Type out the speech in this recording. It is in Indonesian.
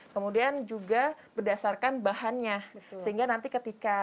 kemudian juga berdasarkan bahannya